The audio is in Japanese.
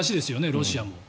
ロシアも。